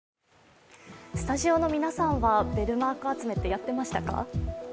スタジオの皆さんはベルマーク集めってやってましたか？